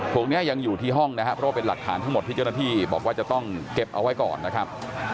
พวกนี้ยังอยู่ที่ห้องนะครับเพราะว่าเป็นหลักฐานทั้งหมดที่เจ้าหน้าที่บอกว่าจะต้องเก็บเอาไว้ก่อนนะครับ